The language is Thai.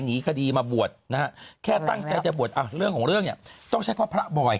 หนีคดีมาบวชนะฮะแค่ตั้งใจจะบวชอ่ะเรื่องของเรื่องเนี่ยต้องใช้ความพระบอย